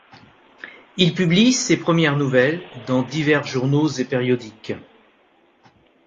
Il publie ses premières nouvelles dans divers journaux et périodiques.